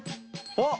あっ！